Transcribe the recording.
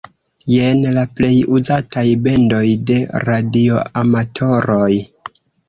Jen la plej uzataj bendoj de radioamatoroj.